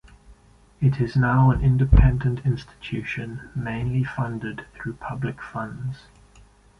It is now an independent institution, mainly funded through public funds.